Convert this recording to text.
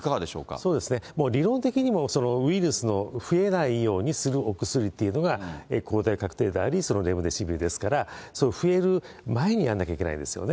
そうですね、もう理論的にもウイルスを増えないようにするお薬っていうのが抗体カクテルであり、レムデシビルですから、増える前にやんなきゃいけないですよね。